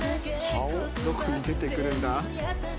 どこに出て来るんだ？